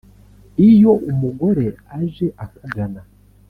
“Iyo umugore aje akugana